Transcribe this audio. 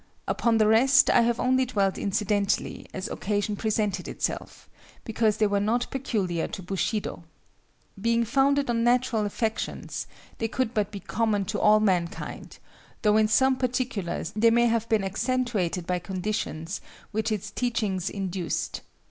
Upon the rest, I have only dwelt incidentally as occasion presented itself; because they were not peculiar to Bushido. Being founded on natural affections, they could but be common to all mankind, though in some particulars they may have been accentuated by conditions which its teachings induced.